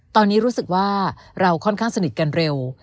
ตอนนี้รู้สึกว่าเราค่อนข้างสนิทกันเร็ว